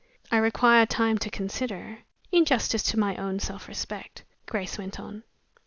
"I require time to consider in justice to my own self respect," Grace went on.